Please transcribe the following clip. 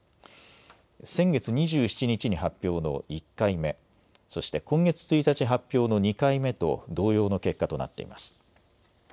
先月２７日に発表の１回目、そして今月１日発表の２回目と同様の結果となっています。